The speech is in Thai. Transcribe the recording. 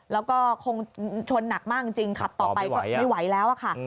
แล้วก็คงชนหนักมากจริงขับต่อไปก็ไม่ไหวแล้วค่ะ